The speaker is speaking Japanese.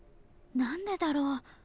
何でだろう？